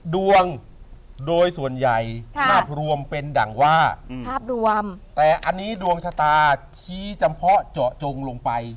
ดวงโดยส่วนใหญ่ภาพรวมเป็นดั่งว่าภาพรวมแต่อันนี้ดวงชะตาชี้จำเพาะเจาะจงลงไป